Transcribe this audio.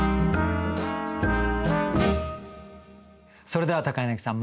それでは柳さん